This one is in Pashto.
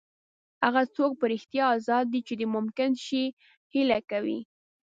هغه څوک په رښتیا ازاد دی چې د ممکن شي هیله کوي.